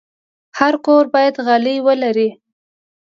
هر کور باید غالۍ ولري.